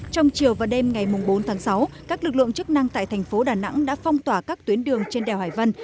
trong chiều và đêm ngày bốn tháng sáu các lực lượng chức năng tại thành phố đà nẵng đã phong tỏa các tuyến đường trên đèo hải vân